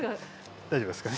大丈夫ですか？